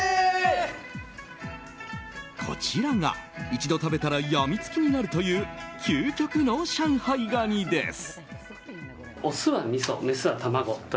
こちらが一度食べたら病みつきになるという究極の上海ガニです。